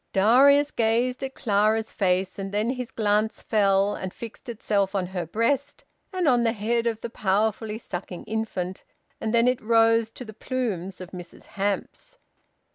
Darius gazed at Clara's face, and then his glance fell, and fixed itself on her breast and on the head of the powerfully sucking infant, and then it rose to the plumes of Mrs Hamps.